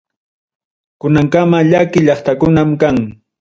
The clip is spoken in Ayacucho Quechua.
Kunankama llaki llaqtakunam kan.